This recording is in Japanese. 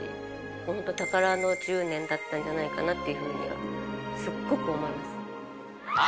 本当、宝の１０年だったんじゃないかなっていうふうには、すっごく思います。